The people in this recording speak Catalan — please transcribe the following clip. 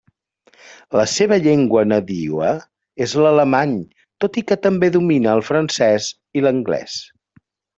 La seva llengua nadiua és l'alemany, tot i que també domina el francès i l'anglès.